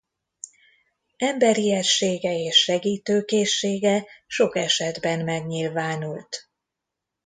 Emberiessége és segítőkészsége sok esetben megnyilvánult.